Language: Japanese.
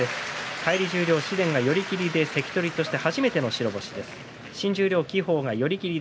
返り十両の紫雷が関取としては初めての白星です。